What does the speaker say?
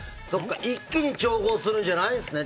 一気に調合するんじゃないんですね。